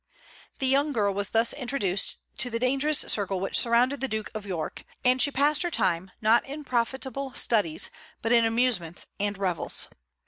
The young girl was thus introduced to the dangerous circle which surrounded the Duke of York, and she passed her time, not in profitable studies, but in amusements and revels.